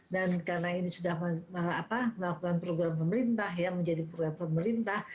karena ini sudah melakukan program pemerintah menjadi program pemerintah